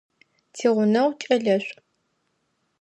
Тигъунэгъу кӏэлэшӏу.